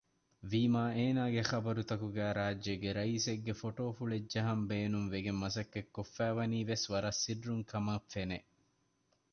ވީމާ އޭނާގެ ޚަބަރުތަކުގައި ރާއްޖޭގެ ރައީސްގެ ފޮޓޯފުޅެއް ޖަހަން ބޭނުންވެގެން މަސައްކަތްކޮށްފައިވަނީވެސް ވަރަށް ސިއްރުންކަމަށްފެނެ